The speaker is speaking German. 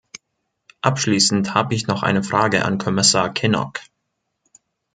Abschließend habe ich noch eine Frage an Kommissar Kinnock.